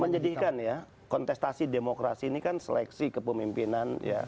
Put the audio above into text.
menyedihkan ya kontestasi demokrasi ini kan seleksi kepemimpinan